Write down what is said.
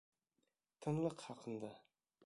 Тынлыҡ хаҡында